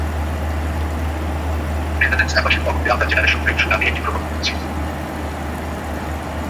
Netherlands অ্যাম্বাসির তহবিলে আমরা জেনারেশন ব্রেক থ্রু নামে একটি প্রকল্প করছি।